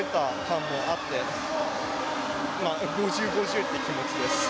まあ５０５０っていう気持ちです。